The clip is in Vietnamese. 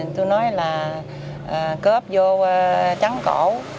tôi nói là cướp vô trắng cổ